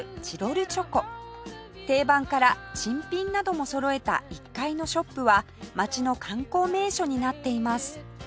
定番から珍品などもそろえた１階のショップは街の観光名所になっています